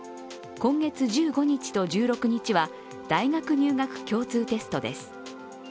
今月１５日と１６日は大学入学共通テストです。